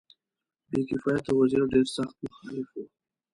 بې کفایته وزیر ډېر سخت مخالف وو.